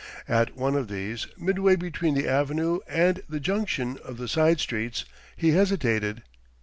At one of these, midway between the avenue and the junction of the side streets, he hesitated.